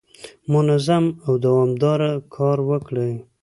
منظم او دوامداره کار وکړئ.